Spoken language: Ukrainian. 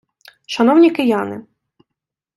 Шановні кияни!